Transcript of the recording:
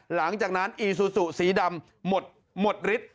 หลังจากนั้นอีซูซูสีดำหมดฤทธิ์